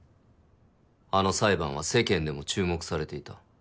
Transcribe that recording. あの裁判は世間でも注目されていた。